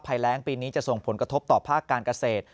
แรงปีนี้จะส่งผลกระทบต่อภาคการเกษตร